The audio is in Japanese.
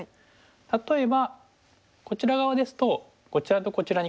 例えばこちら側ですとこちらとこちらに黒がありますよね。